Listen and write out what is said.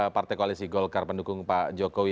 partai koalisi golkar pendukung pak jokowi